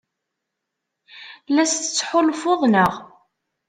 La as-tettḥulfuḍ, naɣ?